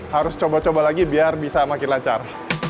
harus coba coba lagi biar bisa makin lancar